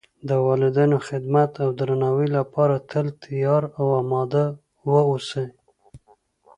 د والدینو خدمت او درناوۍ لپاره تل تیار او آماده و اوسئ